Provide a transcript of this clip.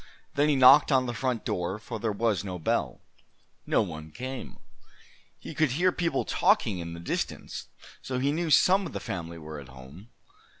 Then he knocked on the front door, for there was no bell. No one came. He could hear people talking in the distance, so he knew some of the family were at home.